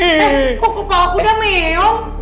eh kok kepala kuda meyong